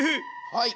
はい。